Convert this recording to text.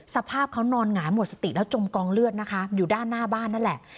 สภาพเขานอนหงายหมดสติแล้วจมกองเลือดนะคะอยู่ด้านหน้าบ้านนั่นแหละ